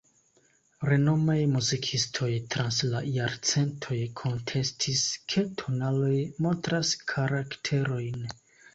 Renomaj muzikistoj trans la jarcentoj kontestis, ke tonaloj montras karakterojn.